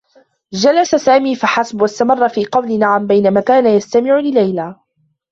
جلس سامي فحسب و استمرّ في قول "نعم" بينما كان يستمع لليلى.